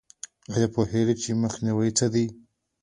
ایا پوهیږئ چې مخنیوی څه دی؟